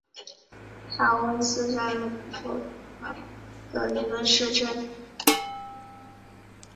豪恩斯山麓努斯多夫是奥地利萨尔茨堡州萨尔茨堡城郊县的一个市镇。